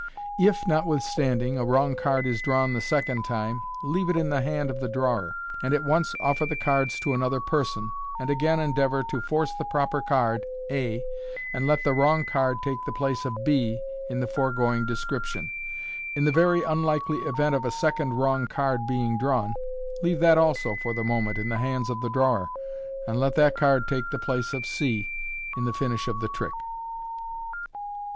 If, notwithstanding, a wrong card is drawn the second time, leave it in the hand of the drawer, and at once offer the cards to another person, and again endeavour to force the proper card, a, and let the wrong card take the place of b in the foregoing description. In the very unlikely event of a second wrong card being drawn, leave that also for the moment in the hands of the drawer, and let that card take the place of c in the finish of the trick.